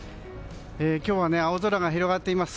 今日は青空が広がっています。